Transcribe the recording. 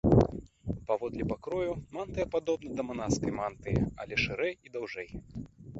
Паводле пакрою, мантыя падобна да манаскай мантыі, але шырэй і даўжэй.